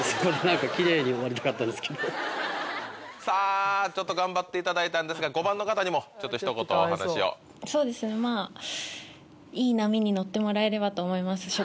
さあちょっと頑張っていただいたんですが５番の方にもちょっと一言お話しを。と思います。